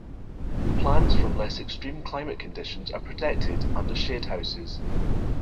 Plants from less extreme climate conditions are protected under shadehouses.